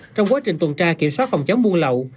trong quá trình tuần tra kiểm soát phòng chống buôn lậu